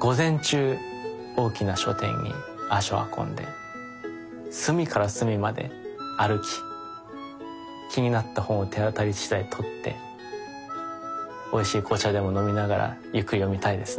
午前中大きな書店に足を運んで隅から隅まで歩き気になった本を手当たりしだい取っておいしい紅茶でも飲みながらゆっくり読みたいですね